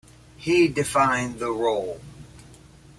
He defined the role.